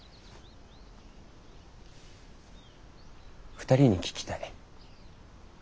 ２人に聞きたい。